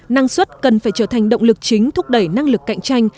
năng suất cần phải trở thành động lực chính thúc đẩy năng lực cạnh tranh